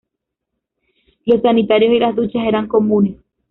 Los sanitarios y las duchas eran comunes.